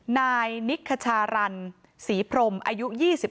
นายนิคชารันศรีพรมอายุ๒๓